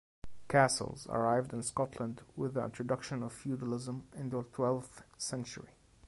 Castles arrived in Scotland with the introduction of feudalism in the twelfth century.